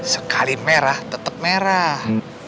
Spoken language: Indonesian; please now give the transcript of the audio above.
sekali merah tetap merah